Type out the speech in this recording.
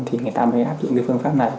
thì người ta mới áp dụng phương pháp này